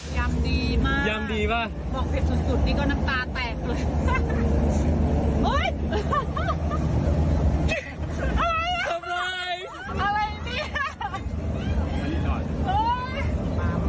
ยำดีมาก